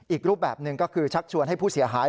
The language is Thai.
อีกรูปแบบหนึ่งก็คือชักชวนให้ผู้เสียหาย